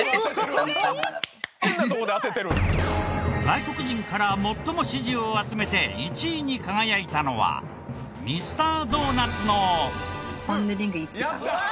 外国人から最も支持を集めて１位に輝いたのはミスタードーナツの。